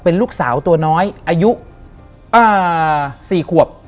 เป็นลูกสาวตัวน้อยอายุ๔ขวบ